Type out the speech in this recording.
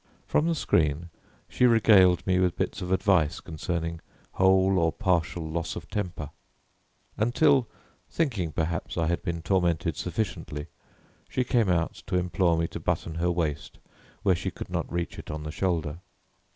From the screen she regaled me with bits of advice concerning whole or partial loss of temper, until, thinking, perhaps, I had been tormented sufficiently, she came out to implore me to button her waist where she could not reach it on the shoulder.